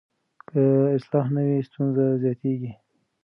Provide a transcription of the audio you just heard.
که اصلاح نه وي، ستونزې زیاتېږي.